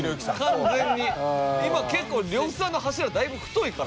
今結構呂布さんの柱だいぶ太いからね。